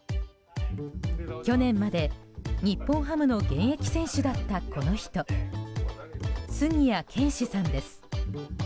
去年まで日本ハムの現役選手だったこの人杉谷拳士さんです。